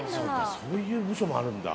そういう部署もあるんだ。